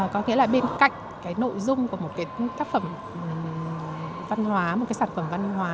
có nghĩa là bên cạnh cái nội dung của một cái tác phẩm văn hóa một cái sản phẩm văn hóa